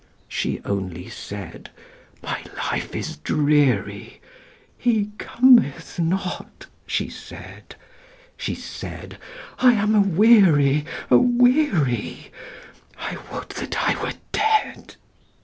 She only said, "My life is dreary, He cometh not," she said; She said, "I am aweary, aweary, I would that I were dead!"